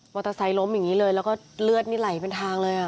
เตอร์ไซค์ล้มอย่างนี้เลยแล้วก็เลือดนี่ไหลเป็นทางเลยอ่ะ